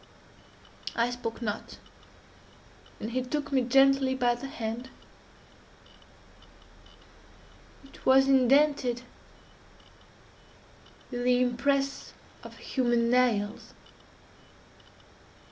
I spoke not, and he took me gently by the hand: it was indented with the impress of human nails.